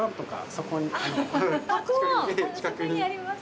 そこにあります。